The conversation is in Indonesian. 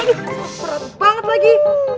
berat banget lagi